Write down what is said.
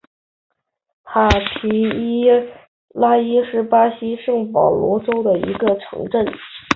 塔皮拉伊是巴西圣保罗州的一个市镇。